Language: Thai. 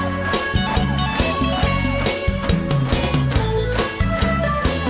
บูรค่า๕๐๐๐บาท